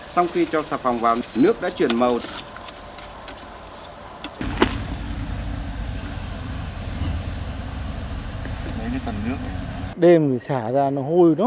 sau khi cho sạp hồng vào nước đã chuyển màu